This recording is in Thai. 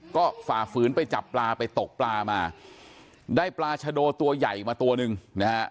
ก็ฝ่าฝืนไปจับปลาไปตกปลามาได้ปลาชะโดตัวใหญ่มาตัวหนึ่งนะฮะ